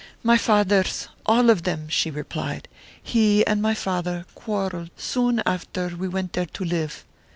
"My father's, all of them;" she replied. "He and my father quarrelled soon after we went there to live.